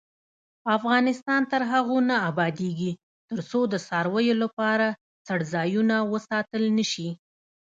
افغانستان تر هغو نه ابادیږي، ترڅو د څارویو لپاره څړځایونه وساتل نشي.